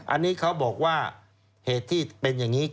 อันนี้เขาบอกว่าเหตุที่เป็นอย่างนี้